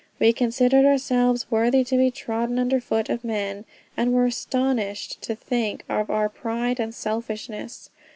We considered ourselves worthy to be trodden under foot of men, and were astonished to think of our pride and selfishness....